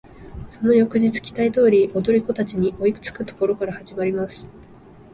その翌日期待通り踊り子達に追いつく処から始まります。